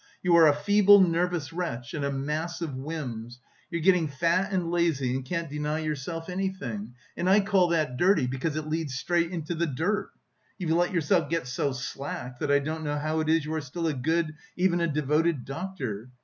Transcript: You are a feeble, nervous wretch, and a mass of whims, you're getting fat and lazy and can't deny yourself anything and I call that dirty because it leads one straight into the dirt. You've let yourself get so slack that I don't know how it is you are still a good, even a devoted doctor.